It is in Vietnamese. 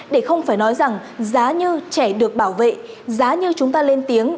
để không phải nói rằng giá như trẻ được bảo vệ giá như chúng ta lên tiếng